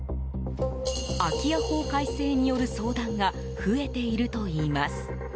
空き家法改正による相談が増えているといいます。